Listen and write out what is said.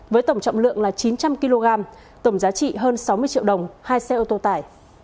với tổng trọng lượng là chín trăm linh kg tổng giá trị hơn sáu mươi triệu đồng hai xe ô tô tải